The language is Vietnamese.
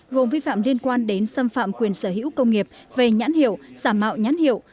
gồm vi phạm liên quan đến xâm phạm quyền sở hữu công nghiệp về nhãn hiệu giả mạo nhãn hiệu